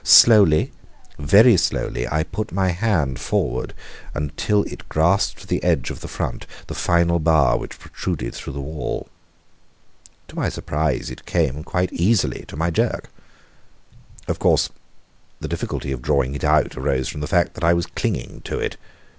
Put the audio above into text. Slowly, very slowly, I put my hand forward until it grasped the edge of the front, the final bar which protruded through the wall. To my surprise it came quite easily to my jerk. Of course the difficulty of drawing it out arose from the fact that I was clinging to it.